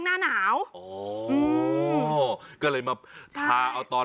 สุดยอดน้ำมันเครื่องจากญี่ปุ่น